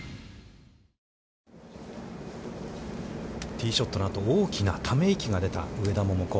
ティーショットのあと、大きなため息が出た上田桃子。